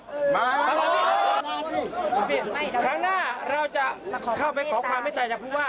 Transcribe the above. ครั้งหน้าเราจะเข้าไปขอความวิจัยจากผู้ว่า